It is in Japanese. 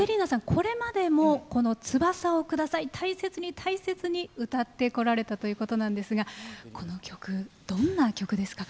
これまでも、「翼をください」大切に大切に歌ってこられたということなんですがこの曲、どんな曲ですか？